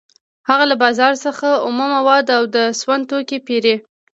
هغه له بازار څخه اومه مواد او د سون توکي پېري